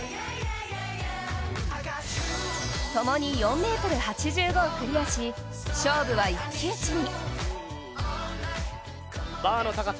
ともに４ｍ８５をクリアし、勝負は一騎打ちに。